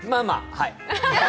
はい。